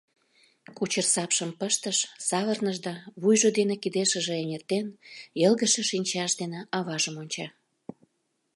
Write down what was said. Кучер сапшым пыштыш, савырныш да, вуйжо дене кидешыже эҥертен, йылгыжше шинчаж дене аважым онча.